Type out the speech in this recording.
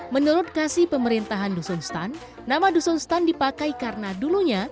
menurut kasih pemerintahan dusun stun nama dusun stand dipakai karena dulunya